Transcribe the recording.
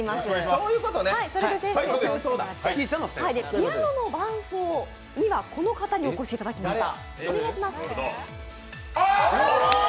ピアノの伴奏にはこの方にお越しいただきました。